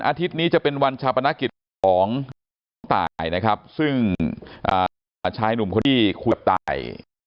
อาทิตย์นี้จะเป็นวันชาปนากิจของตายซึ่งชายหนุ่มที่คุยกับตาย